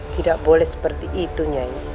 tidak boleh seperti itu nyai